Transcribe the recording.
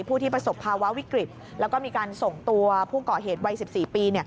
ผู้ที่ประสบภาวะวิกฤตแล้วก็มีการส่งตัวผู้ก่อเหตุวัย๑๔ปี